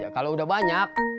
kalau udah banyak